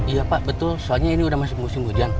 iya pak betul soalnya ini udah masih musim hujan